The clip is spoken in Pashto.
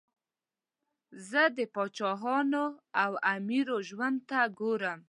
زه د پاچاهانو او امیرو ژوند ته ګورم.